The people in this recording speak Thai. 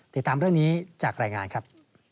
ติดตามเรื่องนี้จากรายงานครับ